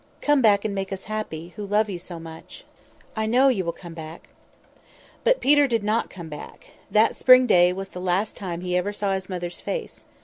Come back, and make us happy, who love you so much. I know you will come back." But Peter did not come back. That spring day was the last time he ever saw his mother's face.